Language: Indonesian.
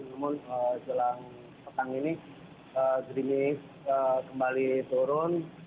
namun jelang petang ini gerimis kembali turun